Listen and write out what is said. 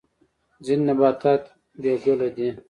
ځینې نباتات بې ګله دي